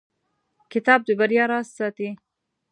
کتاب د بریا راز ساتي.